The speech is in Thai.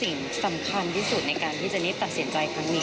สิ่งสำคัญที่สุดในการที่จะนิดตัดสินใจครั้งนี้